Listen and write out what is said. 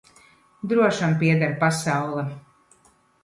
Drošam pieder pasaule.